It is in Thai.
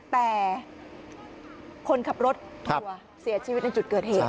แต่คนขับรถทัวร์เสียชีวิตในจุดเกิดเหตุ